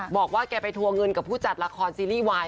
บอกว่าแกไปทัวร์เงินกับผู้จัดละครซีรีส์วาย